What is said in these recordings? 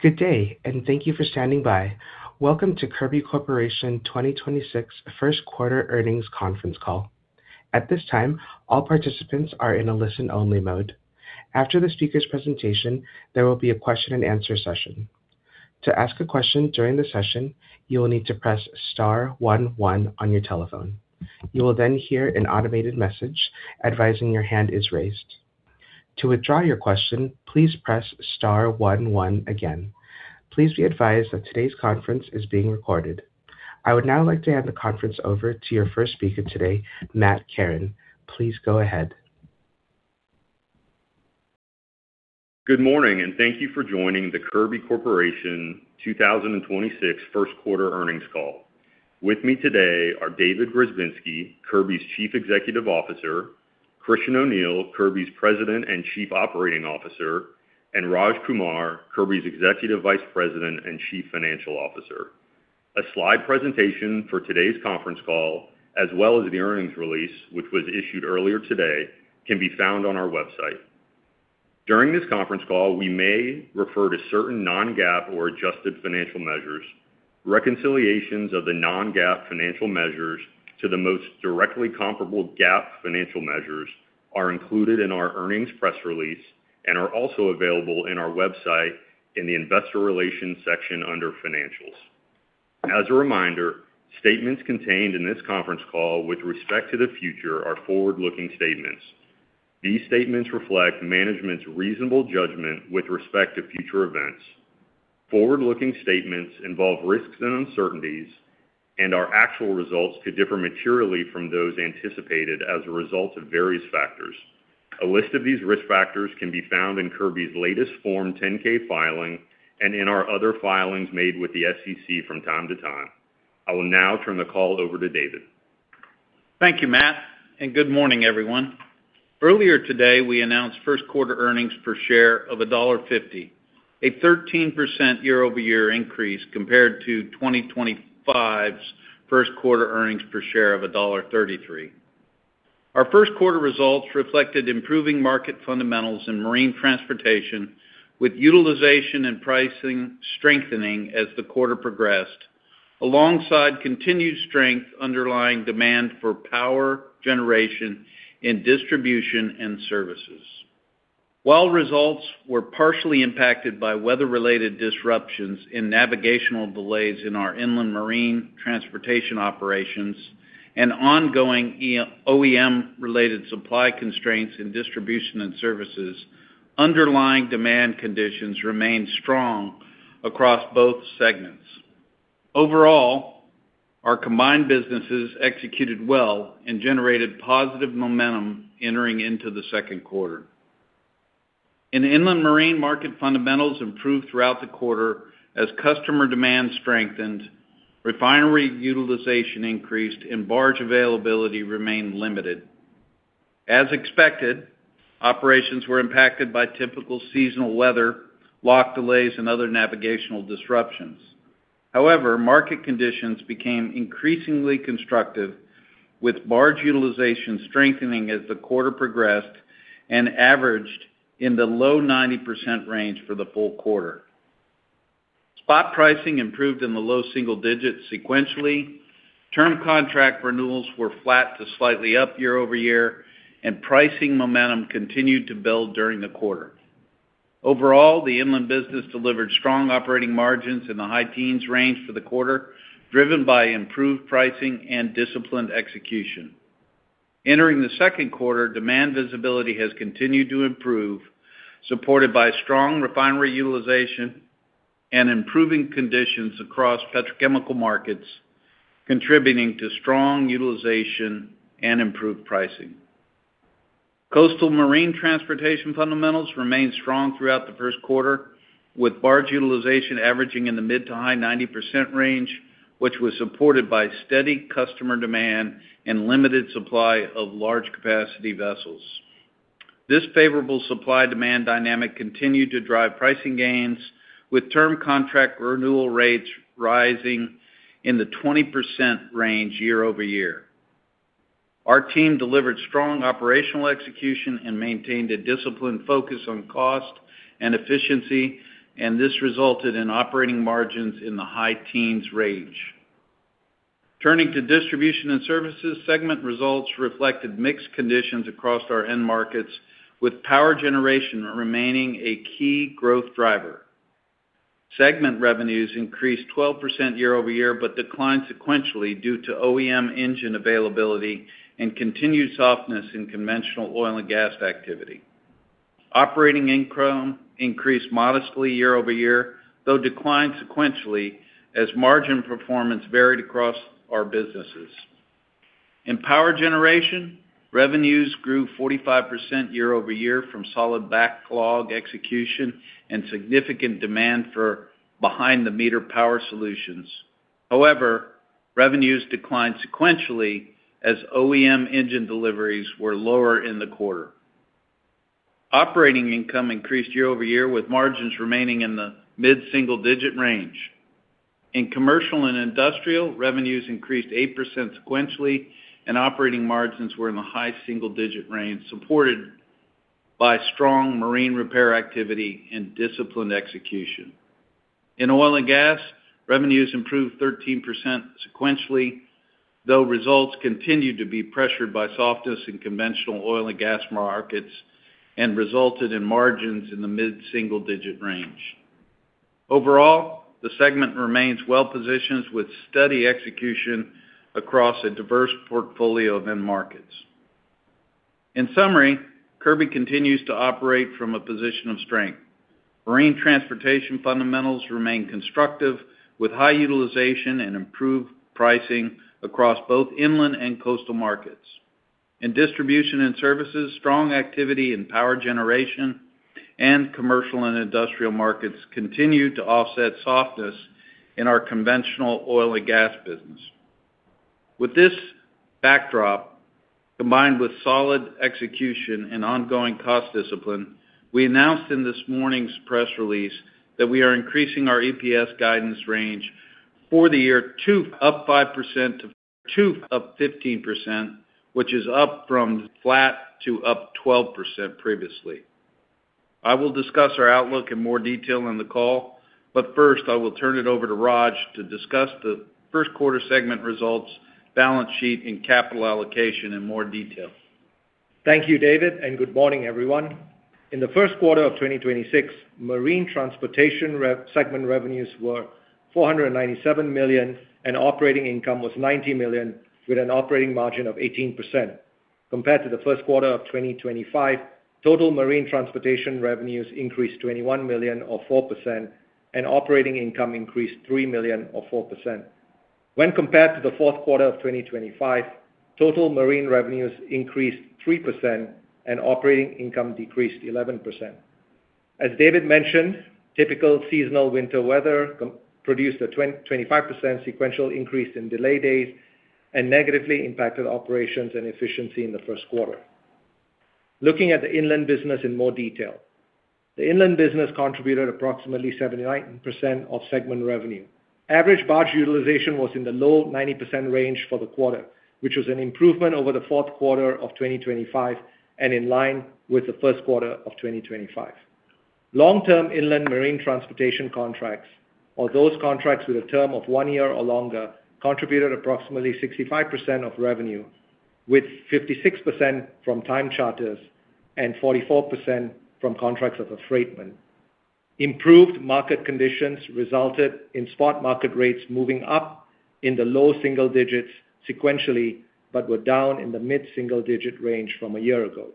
Good day, and thank you for standing by. Welcome to Kirby Corporation 2026 first quarter earnings conference call. At this time all participants are in a listen only mode after the speaker's presentation there will be a question and answer session. To ask a question during the session, you'll need to press star one one on your telephone. You will hear an automated message, advising your hand is raised. To withdraw your question, please press star one one again. Please be advised that today's conference is being recorded. I would now like to hand the conference over to your first speaker today, Matt Kerin. Please go ahead. Good morning, and thank you for joining the Kirby Corporation 2026 first quarter earnings call. With me today are David Grzebinski, Kirby's Chief Executive Officer; Christian O'Neil, Kirby's President and Chief Operating Officer; and Raj Kumar, Kirby's Executive Vice President and Chief Financial Officer. A slide presentation for today's conference call, as well as the earnings release, which was issued earlier today, can be found on our website. During this conference call, we may refer to certain non-GAAP or adjusted financial measures. Reconciliations of the non-GAAP financial measures to the most directly comparable GAAP financial measures are included in our earnings press release and are also available in our website in the Investor Relations section under Financials. As a reminder, statements contained in this conference call with respect to the future are forward-looking statements. These statements reflect management's reasonable judgment with respect to future events. Forward-looking statements involve risks and uncertainties, and our actual results could differ materially from those anticipated as a result of various factors. A list of these risk factors can be found in Kirby's latest Form 10-K filing and in our other filings made with the SEC from time to time. I will now turn the call over to David. Thank you, Matt, and good morning, everyone. Earlier today, we announced first quarter earnings per share of $1.50, a 13% year-over-year increase compared to 2025's first quarter earnings per share of $1.33. Our first quarter results reflected improving market fundamentals in marine transportation, with utilization and pricing strengthening as the quarter progressed alongside continued strength underlying demand for power generation and Distribution and Services. While results were partially impacted by weather-related disruptions and navigational delays in our Inland Marine transportation operations and ongoing OEM-related supply constraints in Distribution and Services, underlying demand conditions remained strong across both segments. Overall, our combined businesses executed well and generated positive momentum entering into the second quarter. In Inland Marine market fundamentals improved throughout the quarter as customer demand strengthened, refinery utilization increased, and barge availability remained limited. As expected, operations were impacted by typical seasonal weather, lock delays, and other navigational disruptions. However, market conditions became increasingly constructive, with barge utilization strengthening as the quarter progressed and averaged in the low 90% range for the full quarter. Spot pricing improved in the low single digits sequentially. Term contract renewals were flat to slightly up year-over-year, and pricing momentum continued to build during the quarter. Overall, the inland business delivered strong operating margins in the high-teens range for the quarter, driven by improved pricing and disciplined execution. Entering the second quarter, demand visibility has continued to improve, supported by strong refinery utilization and improving conditions across petrochemical markets, contributing to strong utilization and improved pricing. Coastal marine transportation fundamentals remained strong throughout the first quarter, with barge utilization averaging in the mid to high 90% range, which was supported by steady customer demand and limited supply of large capacity vessels. This favorable supply-demand dynamic continued to drive pricing gains, with term contract renewal rates rising in the 20% range year-over-year. Our team delivered strong operational execution and maintained a disciplined focus on cost and efficiency, and this resulted in operating margins in the high-teens range. Turning to Distribution and Services, segment results reflected mixed conditions across our end markets, with power generation remaining a key growth driver. Segment revenues increased 12% year-over-year but declined sequentially due to OEM engine availability and continued softness in conventional oil and gas activity. Operating income increased modestly year-over-year, though declined sequentially as margin performance varied across our businesses. In power generation, revenues grew 45% year-over-year from solid backlog execution and significant demand for behind-the-meter power solutions. However, revenues declined sequentially as OEM engine deliveries were lower in the quarter. Operating income increased year-over-year, with margins remaining in the mid single-digit range. In commercial and industrial, revenues increased 8% sequentially, and operating margins were in the high single-digit range, supported by strong marine repair activity and disciplined execution. In oil and gas, revenues improved 13% sequentially, though results continued to be pressured by softness in conventional oil and gas markets and resulted in margins in the mid single-digit range. Overall, the segment remains well-positioned with steady execution across a diverse portfolio of end markets. In summary, Kirby continues to operate from a position of strength. Marine transportation fundamentals remain constructive, with high utilization and improved pricing across both inland and coastal markets. In Distribution and Services, strong activity in power generation and commercial and industrial markets continue to offset softness in our conventional oil and gas business. With this backdrop, combined with solid execution and ongoing cost discipline, we announced in this morning's press release that we are increasing our EPS guidance range for the year to up 5% to up 15%, which is up from flat to up 12% previously. I will discuss our outlook in more detail on the call, but first, I will turn it over to Raj to discuss the first quarter segment results, balance sheet, and capital allocation in more detail. Thank you, David, and good morning, everyone. In the first quarter of 2026, marine transportation segment revenues were $497 million, and operating income was $90 million with an operating margin of 18%. Compared to the first quarter of 2025, total marine transportation revenues increased $21 million or 4%, and operating income increased $3 million or 4%. When compared to the fourth quarter of 2025, total marine revenues increased 3%, and operating income decreased 11%. As David mentioned, typical seasonal winter weather produced a 20%-25% sequential increase in delay days and negatively impacted operations and efficiency in the first quarter. Looking at the inland business in more detail. The inland business contributed approximately 79% of segment revenue. Average barge utilization was in the low 90% range for the quarter, which was an improvement over the fourth quarter of 2025 and in line with the first quarter of 2025. Long-term Inland Marine transportation contracts, or those contracts with a term of one year or longer, contributed approximately 65% of revenue, with 56% from time charters and 44% from contracts of affreightment. Improved market conditions resulted in spot market rates moving up in the low single-digits sequentially, but were down in the mid single-digit range from a year ago.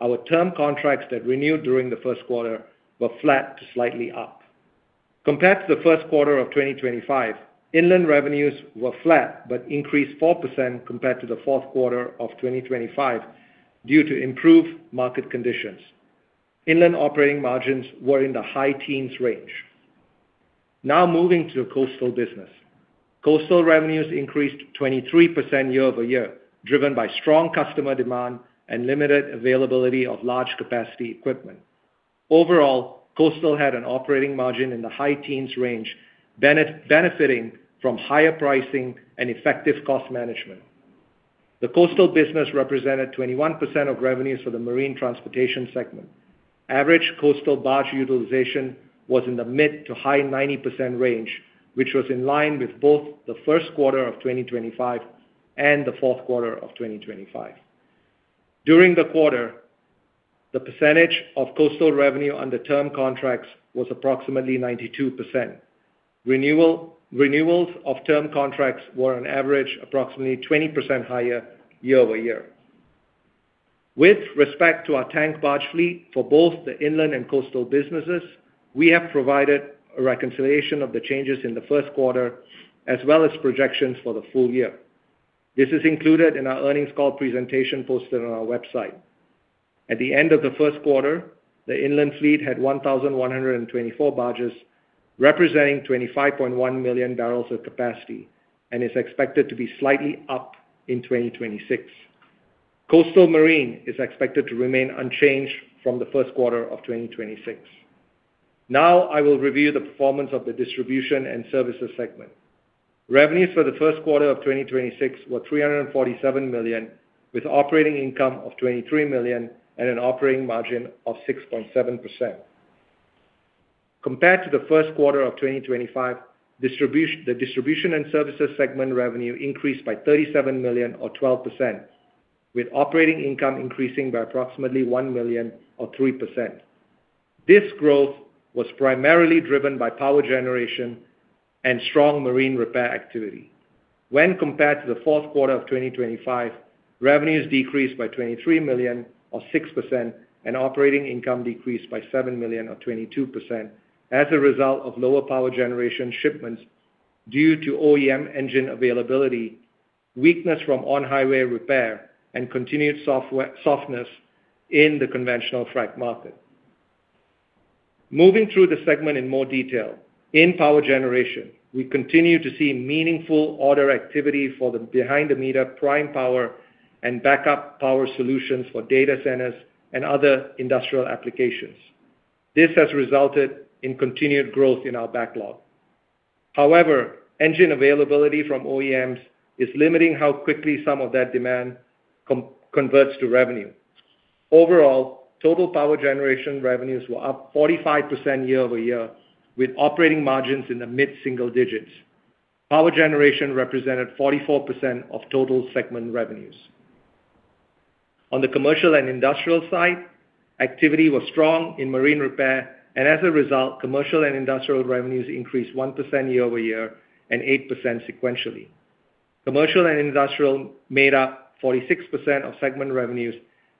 Our term contracts that renewed during the first quarter were flat to slightly up. Compared to the first quarter of 2025, inland revenues were flat but increased 4% compared to the fourth quarter of 2025 due to improved market conditions. Inland operating margins were in the high-teens range. Moving to the coastal business, coastal revenues increased 23% year-over-year, driven by strong customer demand and limited availability of large capacity equipment. Overall, coastal had an operating margin in the high-teens range benefiting from higher pricing and effective cost management. The coastal business represented 21% of revenues for the marine transportation segment. Average coastal barge utilization was in the mid to high 90% range, which was in line with both the first quarter of 2025 and the fourth quarter of 2025. During the quarter, the percentage of coastal revenue under term contracts was approximately 92%. Renewals of term contracts were on average approximately 20% higher year-over-year. With respect to our tank barge fleet for both the inland and coastal businesses, we have provided a reconciliation of the changes in the first quarter as well as projections for the full year. This is included in our earnings call presentation posted on our website. At the end of the first quarter, the inland fleet had 1,124 barges, representing 25,100,000 bbl of capacity and is expected to be slightly up in 2026. Coastal marine is expected to remain unchanged from the first quarter of 2026. I will review the performance of the Distribution and Services segment. Revenues for the first quarter of 2026 were $347 million, with operating income of $23 million and an operating margin of 6.7%. Compared to the first quarter of 2025, the Distribution and Services segment revenue increased by $37 million or 12%, with operating income increasing by approximately $1 million or 3%. This growth was primarily driven by power generation and strong marine repair activity. When compared to the fourth quarter of 2025, revenues decreased by $23 million or 6%, and operating income decreased by $7 million or 22% as a result of lower power generation shipments due to OEM engine availability, weakness from on-highway repair, and continued softness in the conventional freight market. Moving through the segment in more detail. In power generation, we continue to see meaningful order activity for the behind-the-meter prime power and backup power solutions for data centers and other industrial applications. This has resulted in continued growth in our backlog. However, engine availability from OEMs is limiting how quickly some of that demand converts to revenue. Overall, total power generation revenues were up 45% year-over-year, with operating margins in the mid single-digits. Power generation represented 44% of total segment revenues. On the commercial and industrial side, activity was strong in marine repair, and as a result, commercial and industrial revenues increased 1% year-over-year and 8% sequentially. Commercial and industrial made up 46% of segment revenues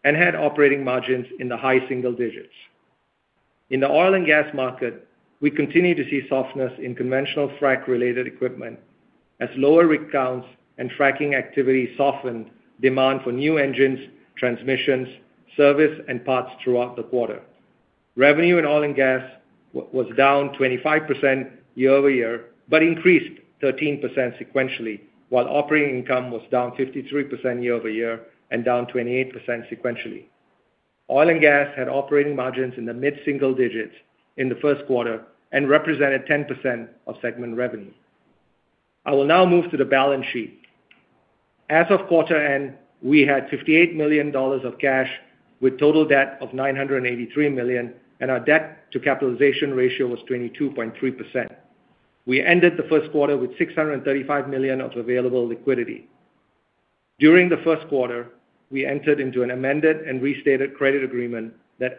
and had operating margins in the high single-digits. In the oil and gas market, we continue to see softness in conventional frac-related equipment as lower rig counts and fracking activity softened demand for new engines, transmissions, service, and parts throughout the quarter. Revenue in oil and gas was down 25% year-over-year, but increased 13% sequentially, while operating income was down 53% year-over-year and down 28% sequentially. Oil and gas had operating margins in the mid single-digits in the first quarter and represented 10% of segment revenue. I will now move to the balance sheet. As of quarter end, we had $58 million of cash, with total debt of $983 million, and our debt to capitalization ratio was 22.3%. We ended the first quarter with $635 million of available liquidity. During the first quarter, we entered into an amended and restated credit agreement that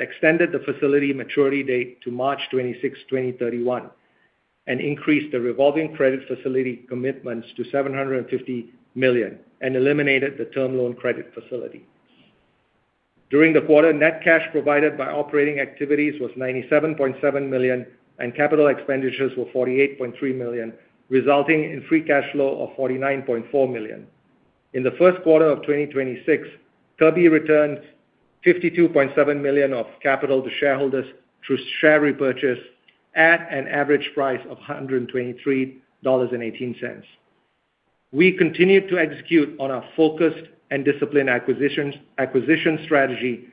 extended the facility maturity date to March 26, 2031 and increased the revolving credit facility commitments to $750 million and eliminated the term loan credit facility. During the quarter, net cash provided by operating activities was $97.7 million, and capital expenditures were $48.3 million, resulting in free cash flow of $49.4 million. In the first quarter of 2026, Kirby returned $52.7 million of capital to shareholders through share repurchase at an average price of $123.18. We continued to execute on our focused and disciplined acquisition strategy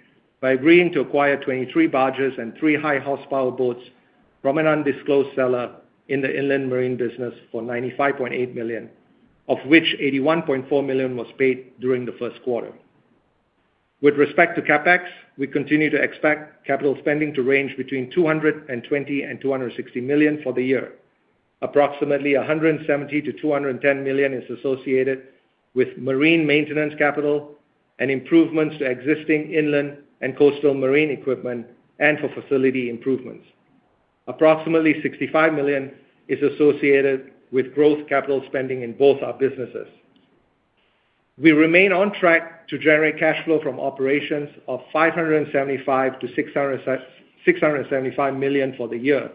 by agreeing to acquire 23 barges and three high horsepower boats from an undisclosed seller in the Inland Marine business for $95.8 million, of which $81.4 million was paid during the first quarter. With respect to CapEx, we continue to expect capital spending to range between $220 million and $260 million for the year. Approximately $170 million-$210 million is associated with marine maintenance capital and improvements to existing inland and coastal marine equipment, and for facility improvements. Approximately $65 million is associated with growth capital spending in both our businesses. We remain on track to generate cash flow from operations of $575 million-$675 million for the year,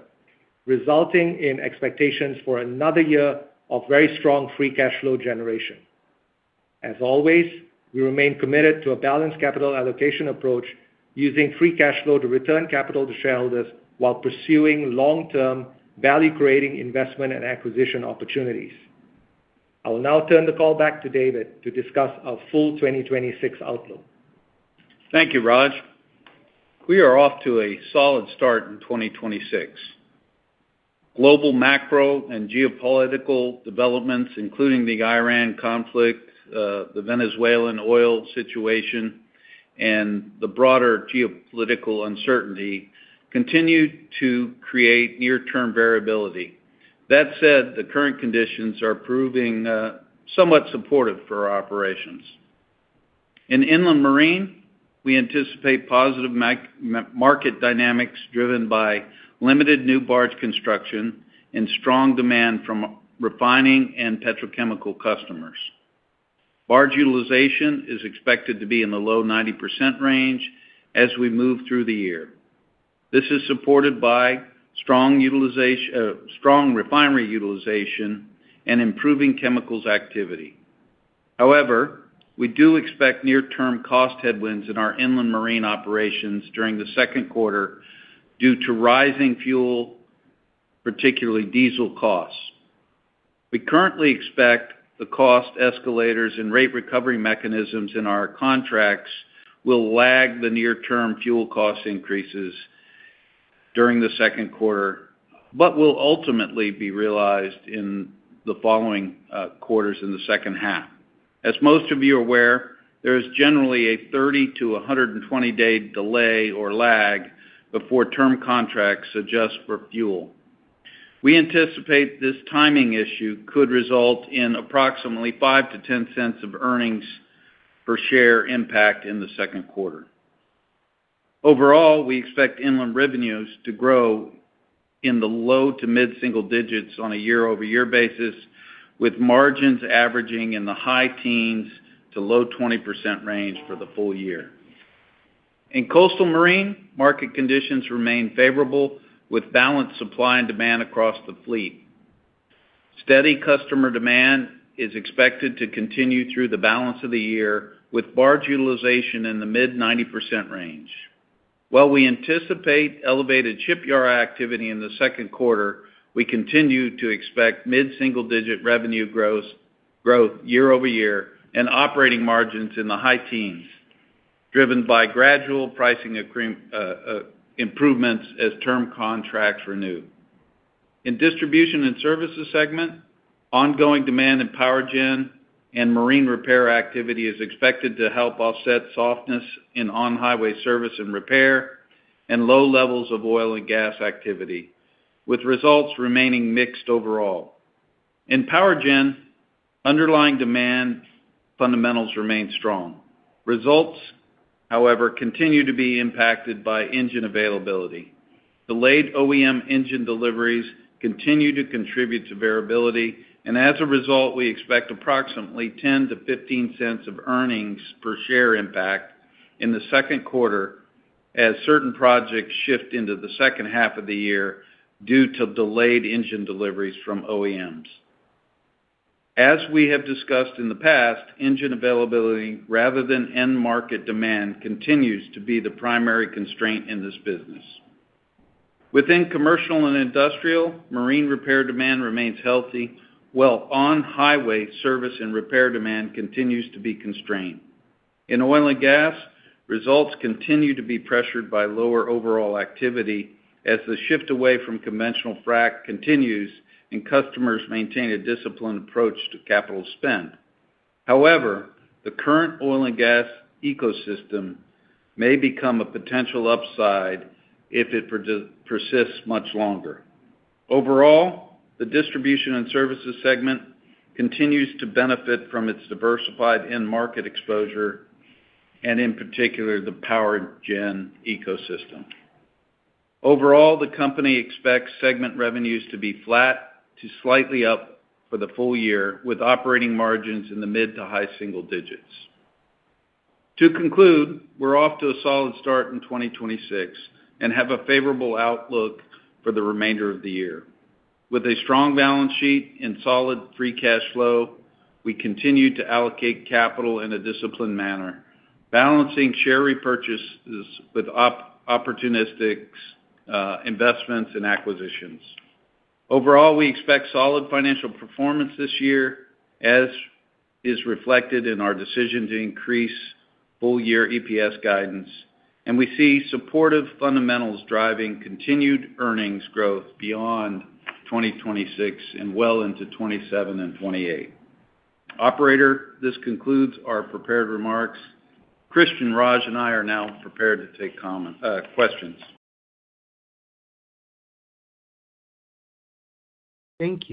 resulting in expectations for another year of very strong free cash flow generation. As always, we remain committed to a balanced capital allocation approach using free cash flow to return capital to shareholders while pursuing long-term value-creating investment and acquisition opportunities. I will now turn the call back to David to discuss our full 2026 outlook. Thank you, Raj. We are off to a solid start in 2026. Global macro and geopolitical developments, including the Iran conflict, the Venezuelan oil situation, and the broader geopolitical uncertainty continue to create near-term variability. That said, the current conditions are proving somewhat supportive for our operations. In Inland Marine, we anticipate positive market dynamics driven by limited new barge construction and strong demand from refining and petrochemical customers. Barge utilization is expected to be in the low 90% range as we move through the year. This is supported by strong refinery utilization and improving chemicals activity. We do expect near-term cost headwinds in our Inland Marine operations during the second quarter due to rising fuel, particularly diesel costs. We currently expect the cost escalators and rate recovery mechanisms in our contracts will lag the near-term fuel cost increases during the second quarter, but will ultimately be realized in the following quarters in the second half. As most of you are aware, there is generally a 30 to 120 day delay or lag before term contracts adjust for fuel. We anticipate this timing issue could result in approximately $0.05-$0.10 of earnings per share impact in the second quarter. Overall, we expect inland revenues to grow in the low to mid single-digits on a year-over-year basis, with margins averaging in the high-teens to low 20% range for the full year. In coastal marine, market conditions remain favorable with balanced supply and demand across the fleet. Steady customer demand is expected to continue through the balance of the year, with barge utilization in the mid-90% range. While we anticipate elevated shipyard activity in the second quarter, we continue to expect mid single-digit revenue growth year-over-year and operating margins in the high-teens, driven by gradual pricing improvements as term contracts renew. In Distribution and Services segment, ongoing demand in power gen and marine repair activity is expected to help offset softness in on-highway service and repair and low levels of oil and gas activity, with results remaining mixed overall. In power gen, underlying demand fundamentals remain strong. Results, however, continue to be impacted by engine availability. Delayed OEM engine deliveries continue to contribute to variability, and as a result, we expect approximately $0.10-$0.15 of earnings per share impact in the second quarter as certain projects shift into the second half of the year due to delayed engine deliveries from OEMs. Within commercial and industrial, marine repair demand remains healthy while on-highway service and repair demand continues to be constrained. In oil and gas, results continue to be pressured by lower overall activity as the shift away from conventional frac continues and customers maintain a disciplined approach to capital spend. The current oil and gas ecosystem may become a potential upside if it persists much longer. Overall, the Distribution and Services segment continues to benefit from its diversified end market exposure and in particular, the power gen ecosystem. Overall, the company expects segment revenues to be flat to slightly up for the full year, with operating margins in the mid to high single digits. To conclude, we're off to a solid start in 2026 and have a favorable outlook for the remainder of the year. With a strong balance sheet and solid free cash flow, we continue to allocate capital in a disciplined manner, balancing share repurchases with opportunistic investments and acquisitions. Overall, we expect solid financial performance this year, as is reflected in our decision to increase full year EPS guidance, and we see supportive fundamentals driving continued earnings growth beyond 2026 and well into 2027 and 2028. Operator, this concludes our prepared remarks. Christian, Raj and I are now prepared to take questions. Thank you.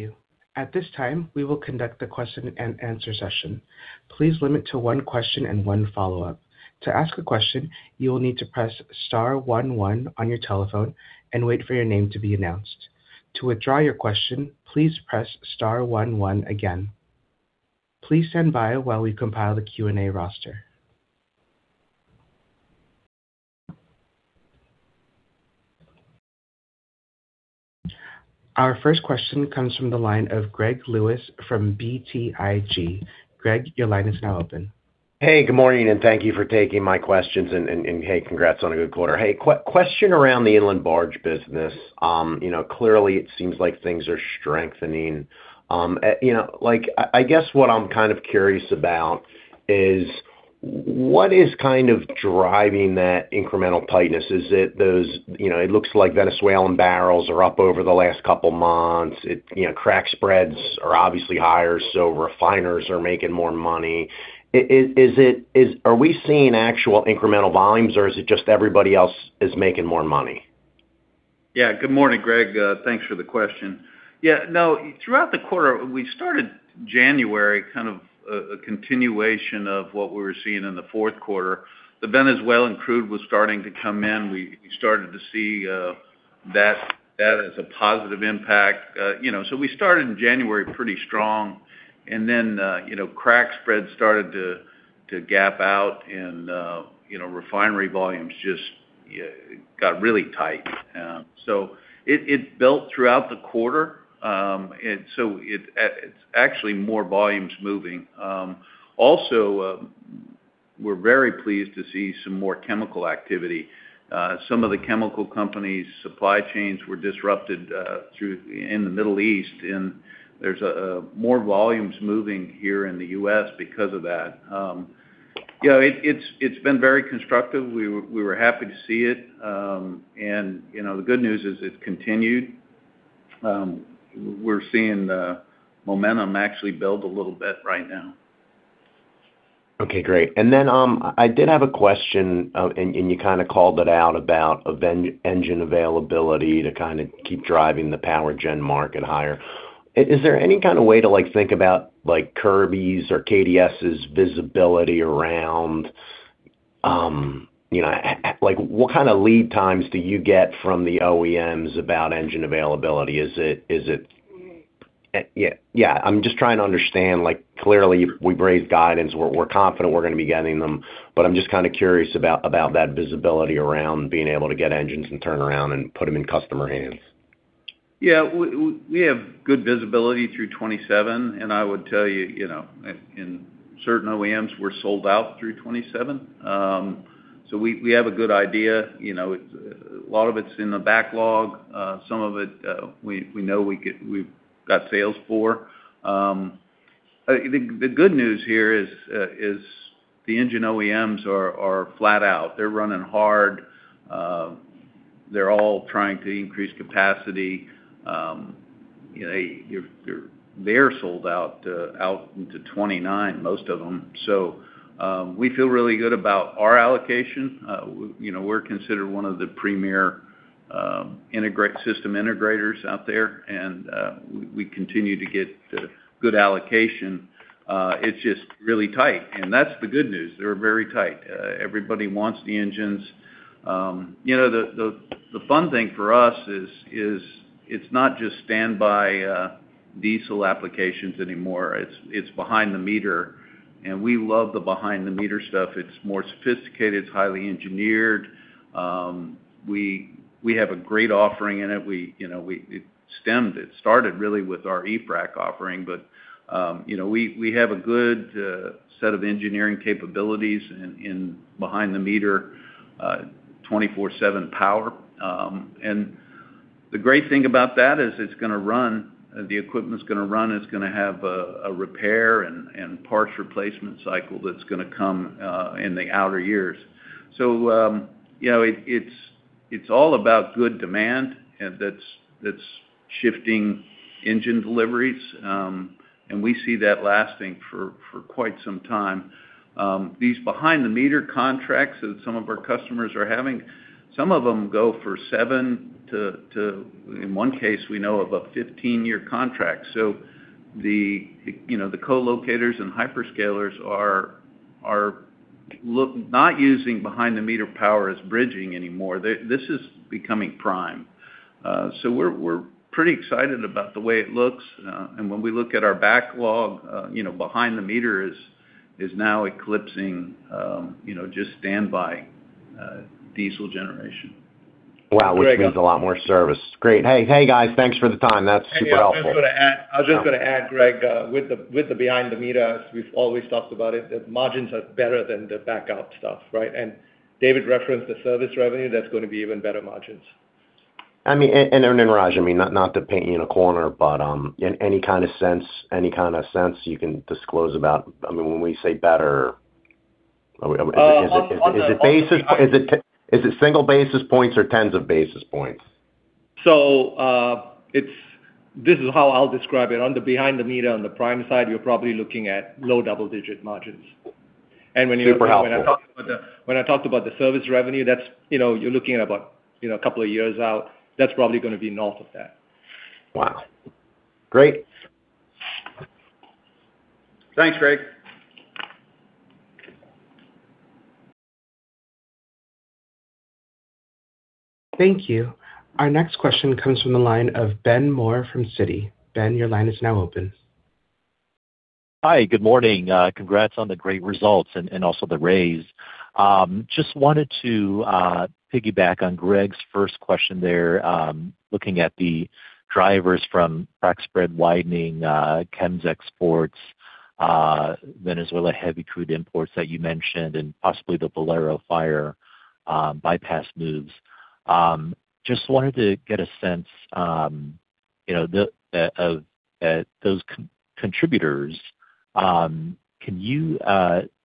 Our first question comes from the line of Greg Lewis from BTIG. Greg, your line is now open. Hey, good morning, and thank you for taking my questions. Hey, congrats on a good quarter. Hey, question around the inland barge business. You know, clearly it seems like things are strengthening. You know, like I guess what I'm kind of curious about is what is kind of driving that incremental tightness? Is it those, you know, it looks like Venezuelan barrels are up over the last couple months. It, you know, crack spreads are obviously higher, so refiners are making more money. Is it, are we seeing actual incremental volumes, or is it just everybody else is making more money? Good morning, Greg. Thanks for the question. Throughout the quarter, we started January kind of a continuation of what we were seeing in the fourth quarter. The Venezuelan crude was starting to come in. We started to see that as a positive impact. We started in January pretty strong. Crack spreads started to gap out. Refinery volumes got really tight. It built throughout the quarter. It's actually more volumes moving. Also, we're very pleased to see some more chemical activity. Some of the chemical companies supply chains were disrupted in the Middle East, and there's more volumes moving here in the U.S. because of that. Yeah, it's been very constructive. We were happy to see it. You know, the good news is it's continued. We're seeing the momentum actually build a little bit right now. Okay, great. Then I did have a question, and you kinda called it out about engine availability to kinda keep driving the power gen market higher. Is there any kind of way to, like, think about, like, Kirby's or KDS' visibility around, you know, like what kind of lead times do you get from the OEMs about engine availability? Yeah, yeah. I'm just trying to understand, like clearly we've raised guidance, we're confident we're gonna be getting them, but I'm just kinda curious about that visibility around being able to get engines and turn around and put them in customer hands. Yeah. We have good visibility through 2027. I would tell you know, in certain OEMs we're sold out through 2027. We have a good idea. You know, a lot of it's in the backlog. Some of it, we know we've got sales for. The good news here is the engine OEMs are flat out. They're running hard. They're all trying to increase capacity, you know, they're sold out out into 2029, most of them. We feel really good about our allocation. You know, we're considered one of the premier system integrators out there, and we continue to get good allocation. It's just really tight, and that's the good news. They're very tight. Everybody wants the engines. You know, the, the fun thing for us is it's not just standby diesel applications anymore. It's behind-the-meter, and we love the behind-the-meter stuff. It's more sophisticated. It's highly engineered. We have a great offering in it. We, you know, it started really with our e-frac offering, but, you know, we have a good set of engineering capabilities in behind-the-meter 24/7 power. And the great thing about that is the equipment's gonna run. It's gonna have a repair and parts replacement cycle that's gonna come in the outer years. You know, it's all about good demand and that's shifting engine deliveries. And we see that lasting for quite some time. These behind-the-meter contracts that some of our customers are having, some of them go for seven to, in one case, we know of a 15 year contract. The, you know, the co-locators and hyperscalers are not using behind-the-meter power as bridging anymore. This is becoming prime. We're pretty excited about the way it looks. When we look at our backlog, you know, behind the meter is now eclipsing, you know, just standby diesel generation. Wow. Which means a lot more service. Great. Hey, hey, guys, thanks for the time. That's super helpful. Hey, yeah. I was just gonna add, Greg, with the behind-the-meter, as we've always talked about it, the margins are better than the backup stuff, right? David referenced the service revenue. That's gonna be even better margins. I mean, Raj, I mean, not to paint you in a corner, but, in any kind of sense you can disclose about? I mean, when we say better is it basis-? Um, on the, on the- Is it single basis points or tens of basis points? This is how I'll describe it. On the behind-the-meter, on the prime side, you're probably looking at low double-digit margins. Super helpful. When I talked about the service revenue, that's, you know, you're looking at about, you know, a couple of years out. That's probably gonna be north of that. Wow. Great. Thanks, Greg. Thank you. Our next question comes from the line of Ben Moore from Citi. Ben, your line is now open. Hi. Good morning. Congrats on the great results and also the raise. Just wanted to piggyback on Greg's first question there, looking at the drivers from crack spread widening, pet chem exports, Venezuela heavy crude imports that you mentioned, and possibly the Valero fire, bypass moves. Just wanted to get a sense, you know, of those contributors. Can you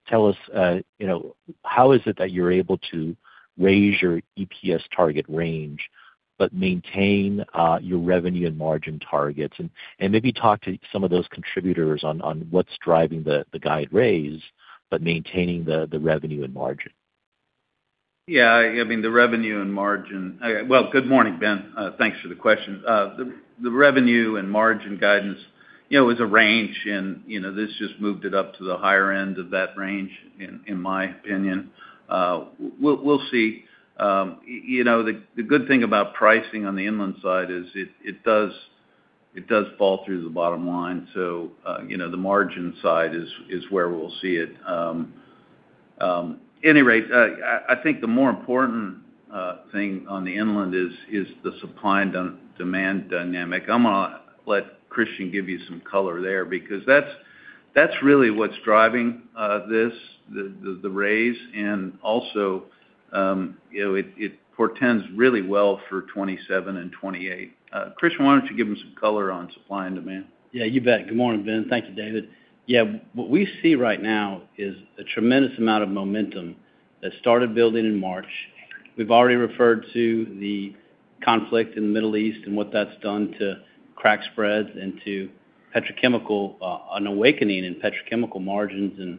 tell us, you know, how is it that you're able to raise your EPS target range but maintain your revenue and margin targets? Maybe talk to some of those contributors on what's driving the guide raise, but maintaining the revenue and margin. Yeah, I mean, the revenue and margin. Well, good morning, Ben. Thanks for the question. The revenue and margin guidance, you know, is a range. You know, this just moved it up to the higher end of that range in my opinion. We'll see. You know, the good thing about pricing on the inland side is it does fall through to the bottom line. You know, the margin side is where we'll see it. Any rate, I think the more important thing on the inland is the supply and demand dynamic. I'm gonna let Christian give you some color there because that's really what's driving this raise. Also, you know, it portends really well for 2027 and 2028. Christian, why don't you give him some color on supply and demand? You bet. Good morning, Ben. Thank you, David. What we see right now is a tremendous amount of momentum that started building in March. We've already referred to the conflict in the Middle East and what that's done to crack spreads into petrochemical, an awakening in petrochemical margins and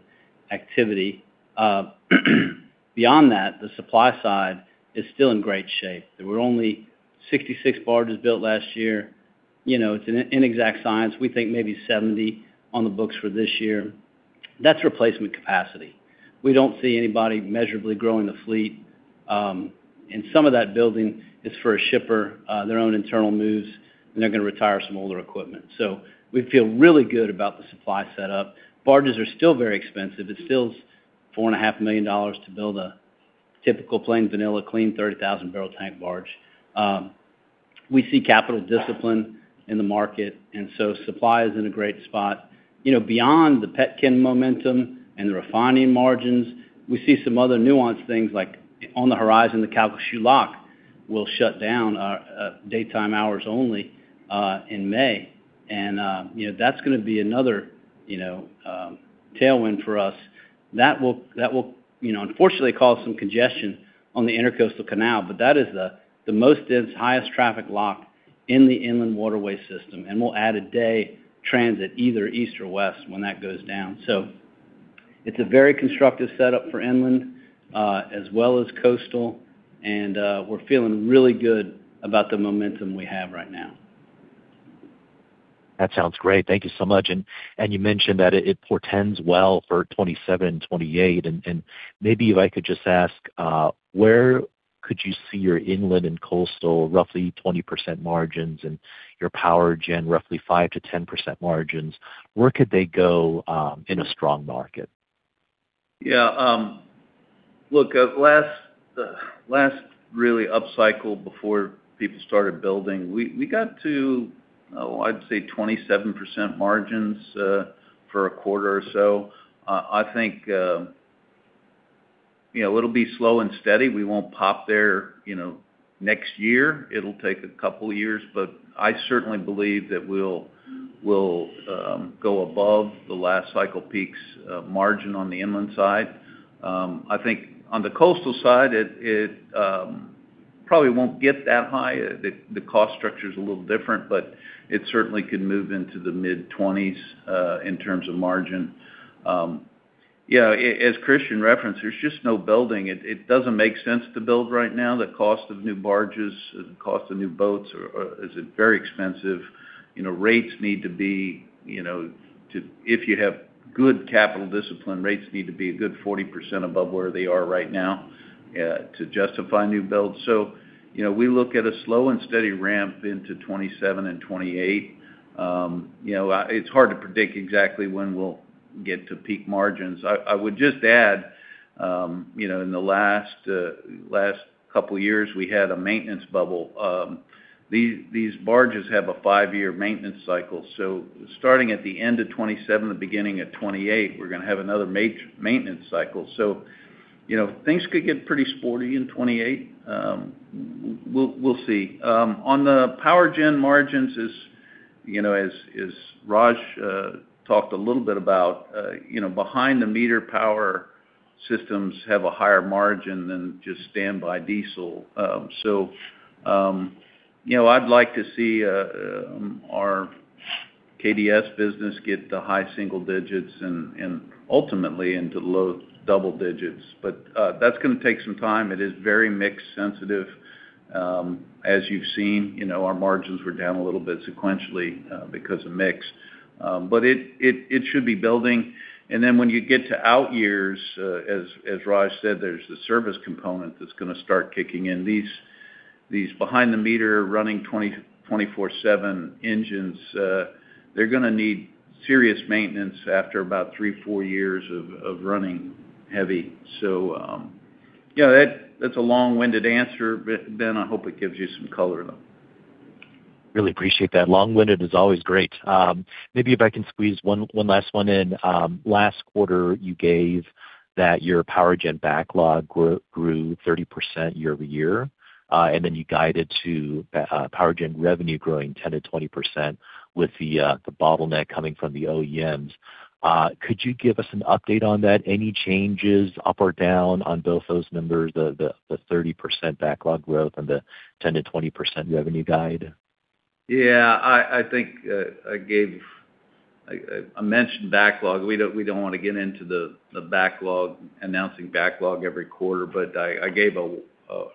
activity. Beyond that, the supply side is still in great shape. There were only 66 barges built last year. You know, it's an inexact science. We think maybe 70 on the books for this year. That's replacement capacity. We don't see anybody measurably growing the fleet. And some of that building is for a shipper, their own internal moves, and they're gonna retire some older equipment. We feel really good about the supply setup. Barges are still very expensive. It's still four and a half million dollars to build a typical plain vanilla clean 30,000 bbl tank barge. We see capital discipline in the market, supply is in a great spot. Beyond the pet chem momentum and the refining margins, we see some other nuanced things like on the horizon, the Calcasieu Lock will shut down daytime hours only in May. That's gonna be another, you know, tailwind for us. That will, unfortunately cause some congestion on the Intracoastal canal, but that is the most dense, highest traffic lock in the inland waterway system, and we'll add a day transit either east or west when that goes down. It's a very constructive setup for inland as well as coastal, and we're feeling really good about the momentum we have right now. That sounds great. Thank you so much. You mentioned that it portends well for 2027 and 2028. Maybe if I could just ask, where could you see your inland and coastal roughly 20% margins and your power gen roughly 5%-10% margins? Where could they go in a strong market? Look, last really upcycle before people started building, we got to, I'd say 27% margins for a quarter or so. I think, you know, it'll be slow and steady. We won't pop there, you know, next year. It'll take a couple years, but I certainly believe that we'll go above the last cycle peak's margin on the inland side. I think on the coastal side, it probably won't get that high. The cost structure's a little different, but it certainly could move into the mid-20s in terms of margin. As Christian referenced, there's just no building. It doesn't make sense to build right now. The cost of new barges, the cost of new boats is very expensive. You know, rates need to be, you know, if you have good capital discipline, rates need to be a good 40% above where they are right now to justify new builds. You know, we look at a slow and steady ramp into 2027 and 2028. You know, it's hard to predict exactly when we'll get to peak margins. I would just add, you know, in the last last couple years, we had a maintenance bubble. These, these barges have a five year maintenance cycle. Starting at the end of 2027 and beginning at 2028, we're gonna have another maintenance cycle. You know, things could get pretty sporty in 2028. We'll, we'll see. On the power gen margins, as Raj talked a little bit about, behind-the-meter power systems have a higher margin than just standby diesel. I'd like to see our KDS business get to high single-digits and ultimately into low double-digits. That's gonna take some time. It is very mix sensitive. As you've seen, our margins were down a little bit sequentially because of mix. It should be building. When you get to outyears, as Raj said, there's the service component that's gonna start kicking in. These behind-the-meter running 24/7 engines, they're gonna need serious maintenance after about three, four years of running heavy. That's a long-winded answer, Ben. I hope it gives you some color, though. Really appreciate that. Long-winded is always great. Maybe if I can squeeze one last one in. Last quarter, you gave that your power gen backlog grew 30% year-over-year, then you guided to power gen revenue growing 10%-20% with the bottleneck coming from the OEMs. Could you give us an update on that? Any changes up or down on both those numbers, the 30% backlog growth and the 10%-20% revenue guide? Yeah. I mentioned backlog. We don't want to get into the backlog, announcing backlog every quarter. I gave a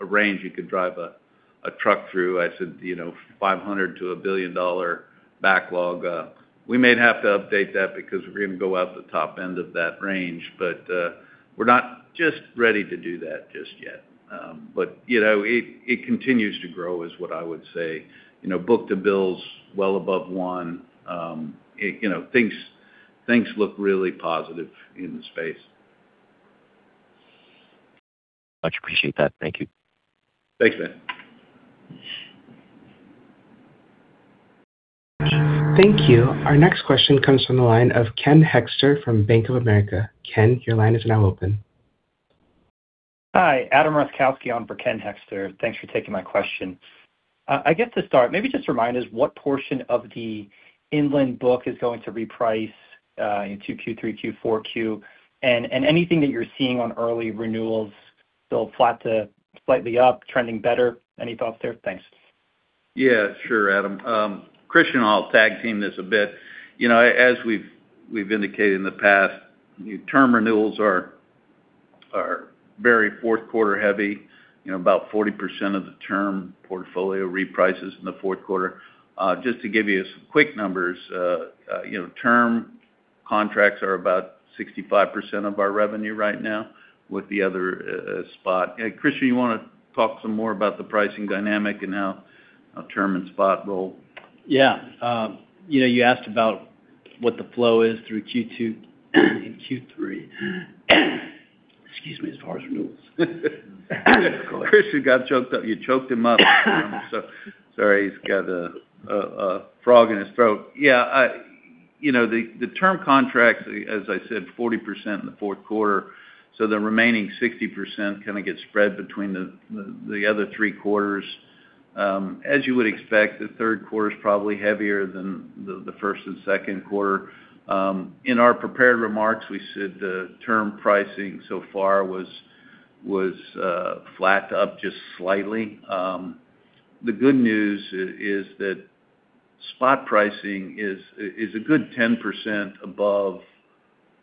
range you could drive a truck through. I said, you know, $500 million-$1 billion backlog. We may have to update that because we're going to go out the top end of that range. We're not just ready to do that just yet. You know, it continues to grow is what I would say. You know, book-to-bill is well above one. You know, things look really positive in the space. Much appreciate that. Thank you. Thanks, Ben. Thank you. Our next question comes from the line of Ken Hoexter from Bank of America. Ken, your line is now open. Hi. Adam Roszkowski on for Ken Hoexter. Thanks for taking my question. I guess to start, maybe just remind us what portion of the inland book is going to reprice in 2Q, 3Q, 4Q? Anything that you're seeing on early renewals, still flat to slightly up, trending better? Any thoughts there? Thanks. Yeah. Sure, Adam. Christian and I will tag team this a bit. You know, as we've indicated in the past, term renewals are very fourth quarter heavy. You know, about 40% of the term portfolio reprices in the fourth quarter. Just to give you some quick numbers, you know, term contracts are about 65% of our revenue right now with the other spot. Christian, you wanna talk some more about the pricing dynamic and how term and spot roll? Yeah. you know, you asked about what the flow is through Q2 and Q3. Excuse me as far as renewals. Christian got choked up. You choked him up, Adam. Sorry, he's got a frog in his throat. Yeah. You know, the term contracts, as I said, 40% in the fourth quarter, the remaining 60% kind of gets spread between the other three quarters. As you would expect, the third quarter is probably heavier than the first and second quarter. In our prepared remarks, we said the term pricing so far was flat to up just slightly. The good news is that spot pricing is a good 10% above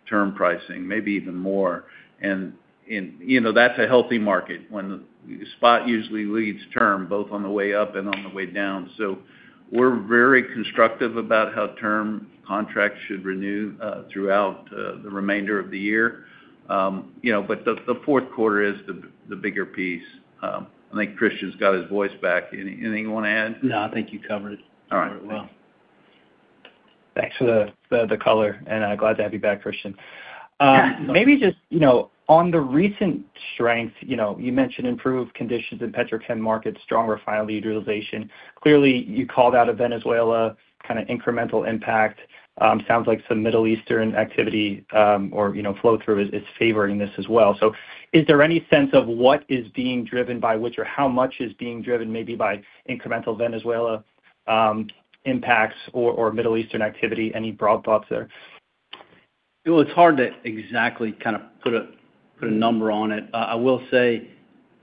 term pricing, maybe even more. You know, that's a healthy market when the spot usually leads term both on the way up and on the way down. We're very constructive about how term contracts should renew throughout the remainder of the year. You know, but the fourth quarter is the bigger piece. I think Christian's got his voice back. Anything you wanna add? No, I think you covered it. All right. Very well. Thanks for the color and glad to have you back, Christian. Maybe just, you know, on the recent strength, you know, you mentioned improved conditions in pet chem markets, stronger refinery utilization. Clearly, you called out a Venezuela kind of incremental impact. Sounds like some Middle Eastern activity, or, you know, flow through is favoring this as well. Is there any sense of what is being driven by which, or how much is being driven maybe by incremental Venezuela impacts or Middle Eastern activity? Any broad thoughts there? Well, it's hard to exactly kind of put a number on it. I will say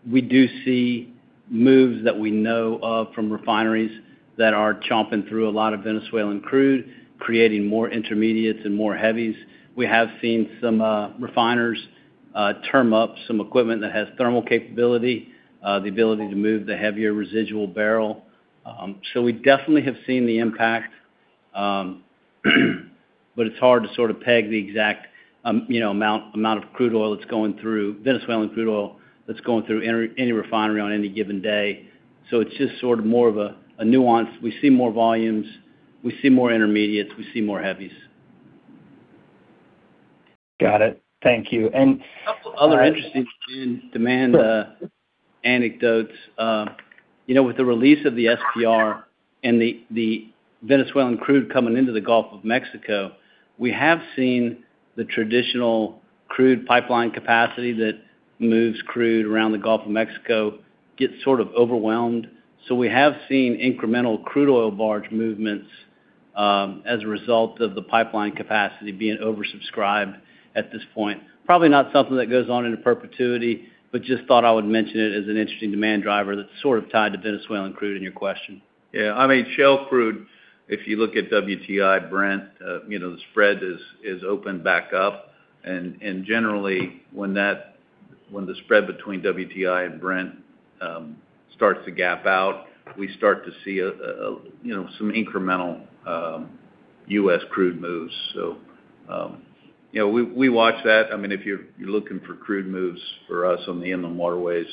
we do see moves that we know of from refineries that are chomping through a lot of Venezuelan crude, creating more intermediates and more heavies. We have seen some refiners term up some equipment that has thermal capability, the ability to move the heavier residual barrel. We definitely have seen the impact, but it's hard to sort of peg the exact, you know, amount of crude oil that's going through Venezuelan crude oil that's going through any refinery on any given day. It's just sort of more of a nuance. We see more volumes. We see more intermediates. We see more heavies. Got it. Thank you. A couple other interesting demand, anecdotes. You know, with the release of the SPR and the Venezuelan crude coming into the Gulf of Mexico, we have seen the traditional crude pipeline capacity that moves crude around the Gulf of Mexico get sort of overwhelmed. We have seen incremental crude oil barge movements as a result of the pipeline capacity being oversubscribed at this point. Probably not something that goes on into perpetuity, but just thought I would mention it as an interesting demand driver that's sort of tied to Venezuelan crude in your question. Yeah. I mean, shale crude, if you look at WTI, Brent, you know, the spread is opened back up. Generally, when the spread between WTI and Brent starts to gap out, we start to see a, you know, some incremental U.S. crude moves. You know, we watch that. I mean, if you're looking for crude moves for us on the inland waterways,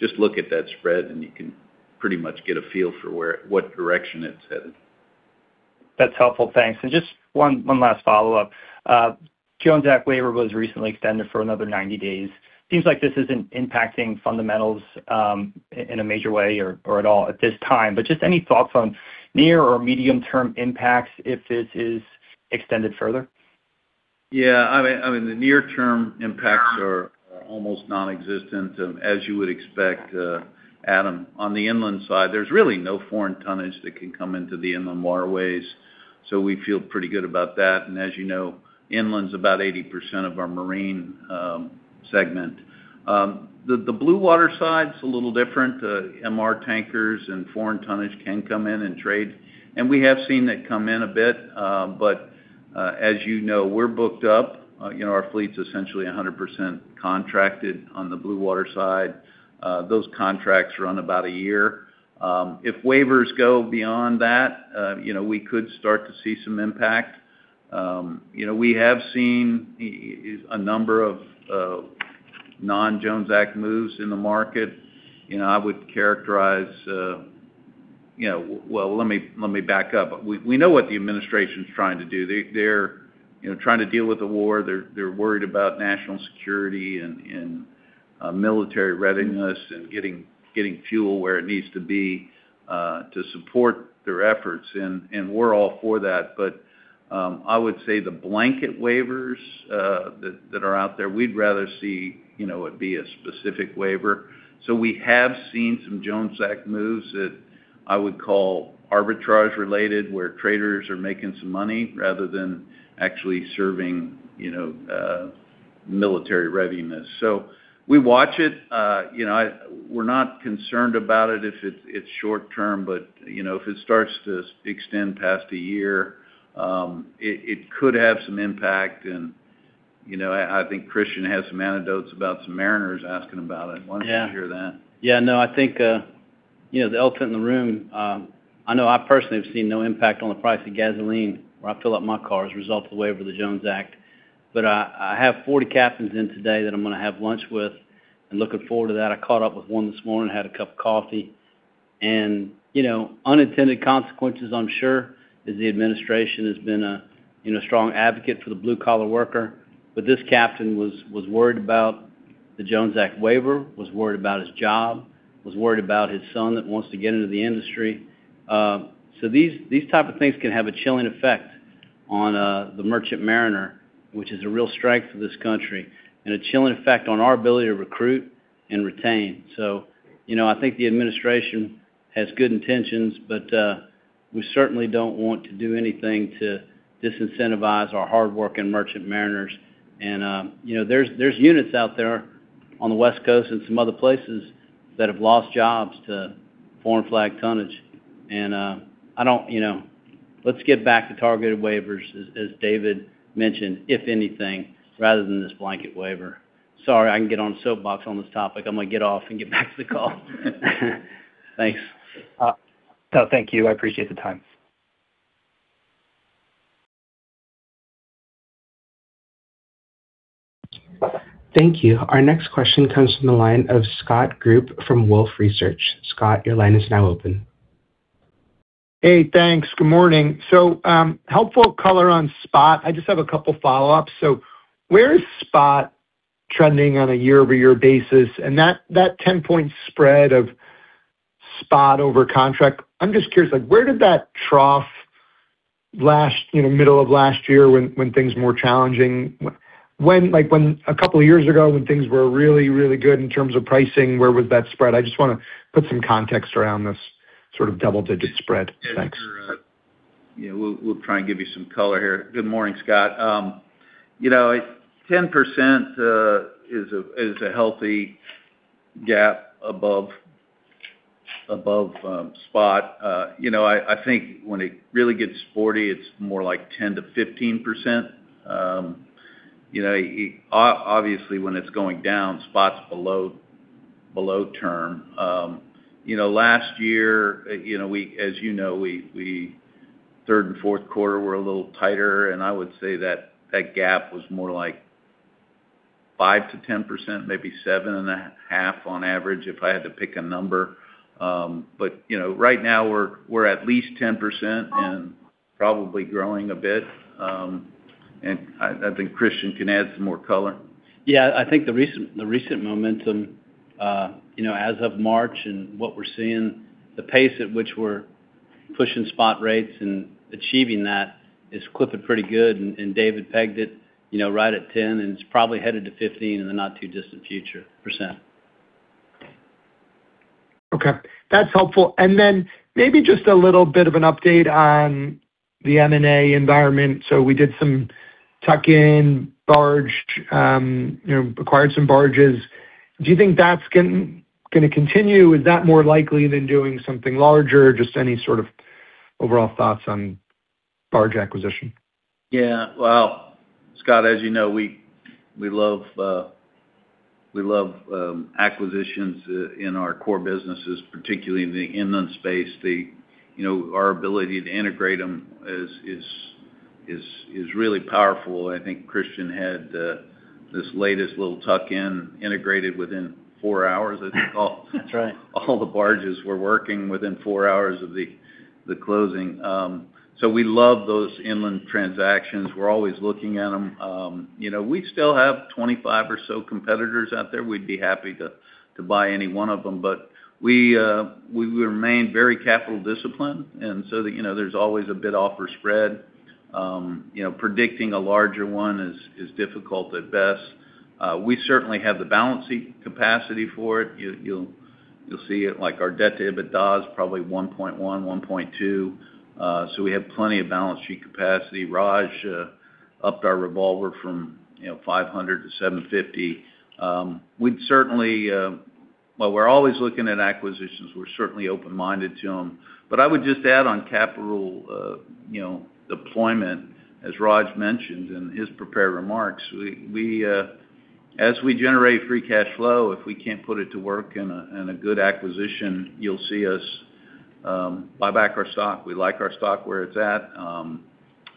just look at that spread, and you can pretty much get a feel for what direction it's headed. That's helpful. Thanks. Just one last follow-up. Jones Act waiver was recently extended for another 90 days. Seems like this isn't impacting fundamentals in a major way or at all at this time. Just any thoughts on near or medium-term impacts if this is extended further? The near-term impacts are almost nonexistent, as you would expect, Adam. On the inland side, there's really no foreign tonnage that can come into the inland waterways, so we feel pretty good about that. As you know, inland's about 80% of our marine segment. The blue water side's a little different. MR tankers and foreign tonnage can come in and trade, and we have seen that come in a bit. As you know, we're booked up. You know, our fleet's essentially 100% contracted on the blue water side. Those contracts run about a year. If waivers go beyond that, you know, we could start to see some impact. You know, we have seen a number of non-Jones Act moves in the market. You know, I would characterize. You know, well, let me back up. We know what the administration's trying to do. They're, you know, trying to deal with the war. They're worried about national security and military readiness and getting fuel where it needs to be to support their efforts. We're all for that. I would say the blanket waivers that are out there, we'd rather see, you know, it be a specific waiver. We have seen some Jones Act moves that I would call arbitrage-related, where traders are making some money rather than actually serving, you know, military readiness. We watch it. You know, we're not concerned about it if it's short-term, but, you know, if it starts to extend past a year, it could have some impact. You know, I think Christian has some anecdotes about some mariners asking about it. Yeah. Why don't you share that? Yeah, no, I think, you know, the elephant in the room. I know I personally have seen no impact on the price of gasoline where I fill up my car as a result of the waiver of the Jones Act. I have 40 captains in today that I'm gonna have lunch with and looking forward to that. I caught up with one this morning, had a cup of coffee. You know, unintended consequences, I'm sure, as the administration has been, you know, strong advocate for the blue-collar worker. This captain was worried about the Jones Act waiver, was worried about his job, was worried about his son that wants to get into the industry. These type of things can have a chilling effect on the Merchant Mariner, which is a real strength for this country, and a chilling effect on our ability to recruit and retain. You know, I think the administration has good intentions, but we certainly don't want to do anything to disincentivize our hardworking Merchant Mariners. You know, there's units out there on the West Coast and some other places that have lost jobs to foreign flag tonnage. You know, let's get back to targeted waivers, as David mentioned, if anything, rather than this blanket waiver. Sorry, I can get on a soapbox on this topic. I'm gonna get off and get back to the call. Thanks. No, thank you. I appreciate the time. Thank you. Our next question comes from the line of Scott Group from Wolfe Research. Scott, your line is now open. Hey, thanks. Good morning. Helpful color on spot. I just have a couple follow-ups. Where is spot trending on a year-over-year basis? That 10 point spread of spot over contract, I'm just curious, like, where did that trough last, you know, middle of last year when things were more challenging. A couple of years ago when things were really, really good in terms of pricing, where was that spread? I just wanna put some context around this sort of double-digit spread. Thanks. Yeah. We'll try and give you some color here. Good morning, Scott. You know, 10% is a healthy gap above spot. You know, I think when it really gets sporty, it's more like 10%-15%. You know, obviously, when it's going down, spot's below term. You know, last year, as you know, we third and fourth quarter were a little tighter, and I would say that that gap was more like 5%-10%, maybe seven and a half on average, if I had to pick a number. You know, right now we're at least 10% and probably growing a bit. I think Christian can add some more color. Yeah. I think the recent, the recent momentum, you know, as of March and what we're seeing, the pace at which we're pushing spot rates and achieving that is clipping pretty good. David pegged it, you know, right at 10%, and it's probably headed to 15% in the not too distant future. Okay. That's helpful. Maybe just a little bit of an update on the M&A environment. We did some tuck-in barge, you know, acquired some barges. Do you think that's gonna continue? Is that more likely than doing something larger? Just any sort of overall thoughts on barge acquisition. Yeah. Well, Scott, as you know, we love acquisitions in our core businesses, particularly in the inland space. You know, our ability to integrate them is really powerful. I think Christian had this latest little tuck-in integrated within four hours. That's right. All the barges were working within four hours of the closing. We love those inland transactions. We're always looking at them. You know, we still have 25 or so competitors out there. We'd be happy to buy any one of them. We remain very capital disciplined, you know, there's always a bid-offer spread. You know, predicting a larger one is difficult at best. We certainly have the balance sheet capacity for it. You'll see it, like our debt to EBITDA is probably 1.1, 1.2. We have plenty of balance sheet capacity. Raj, you know, upped our revolver from $500 million to $750 million. We'd certainly, well, we're always looking at acquisitions. We're certainly open-minded to them. I would just add on capital, you know, deployment, as Raj mentioned in his prepared remarks. We, as we generate free cash flow, if we can't put it to work in a good acquisition, you'll see us buy back our stock. We like our stock where it's at,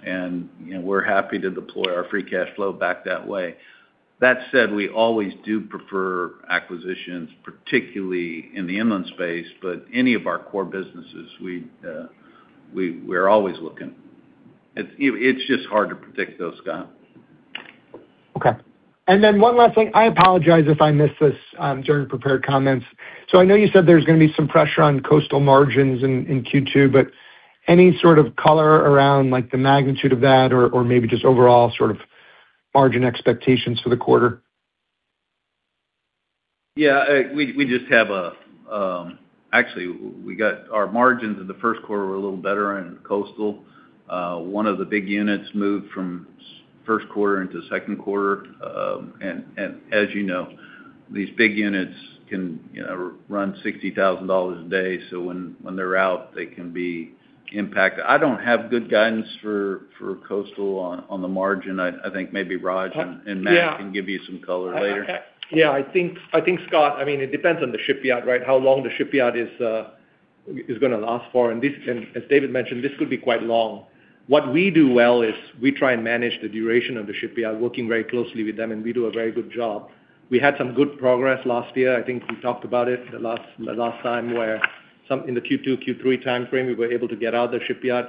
you know, we're happy to deploy our free cash flow back that way. That said, we always do prefer acquisitions, particularly in the inland space, but any of our core businesses, we're always looking. It's, you know, it's just hard to predict though, Scott. Okay. One last thing. I apologize if I missed this during prepared comments. I know you said there's gonna be some pressure on coastal margins in Q2, any sort of color around, like, the magnitude of that or maybe just overall sort of margin expectations for the quarter? Actually, we got our margins in the first quarter were a little better in coastal. One of the big units moved from first quarter into second quarter. As you know, these big units can, you know, run $60,000 a day, so when they're out, they can be impacted. I don't have good guidance for coastal on the margin. I think maybe Raj and Matt. Yeah. Can give you some color later. Yeah, I think, Scott, I mean, it depends on the shipyard, right? How long the shipyard is gonna last for. As David mentioned, this could be quite long. What we do well is we try and manage the duration of the shipyard, working very closely with them, and we do a very good job. We had some good progress last year. I think we talked about it the last time where in the Q2, Q3 timeframe, we were able to get out of the shipyard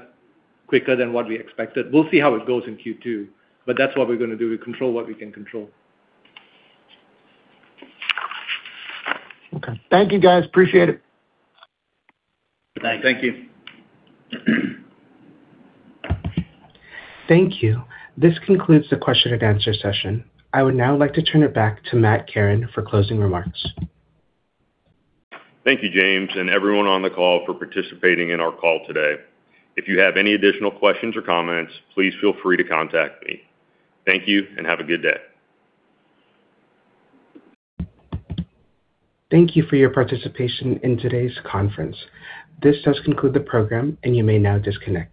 quicker than what we expected. We'll see how it goes in Q2, that's what we're gonna do. We control what we can control. Okay. Thank you, guys. Appreciate it. Thanks. Thank you. Thank you. This concludes the question and answer session. I would now like to turn it back to Matt Kerin for closing remarks. Thank you, James, and everyone on the call for participating in our call today. If you have any additional questions or comments, please feel free to contact me. Thank you, and have a good day. Thank you for your participation in today's conference. This does conclude the program, and you may now disconnect.